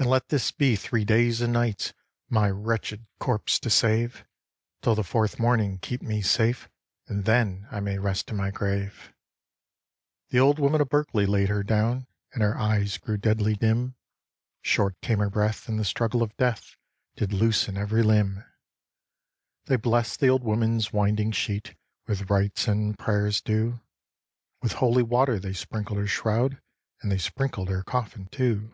'And let this be three days and nights My wretched corpse to save; Till the fourth morning keep me safe, And then I may rest in my grave.' The Old Woman of Berkeley laid her down, And her eyes grew deadly dim, Short came her breath, and the struggle of death Did loosen every limb. They blest the old woman's winding sheet With rites and prayers due, With holy water they sprinkled her shroud, And they sprinkled her coffin too.